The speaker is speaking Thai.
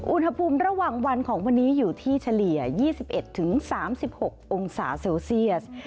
อุณหภูมิระหว่างวันของวันนี้อยู่ที่เฉลี่ย๒๑๓๖องศาเซลเซียส